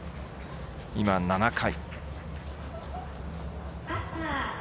今、７回。